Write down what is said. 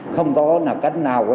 không có cách nào